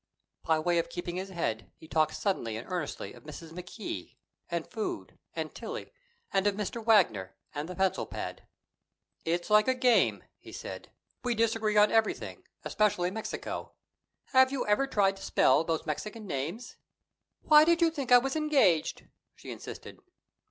By way of keeping his head, he talked suddenly and earnestly of Mrs. McKee, and food, and Tillie, and of Mr. Wagner and the pencil pad. "It's like a game," he said. "We disagree on everything, especially Mexico. If you ever tried to spell those Mexican names " "Why did you think I was engaged?" she insisted.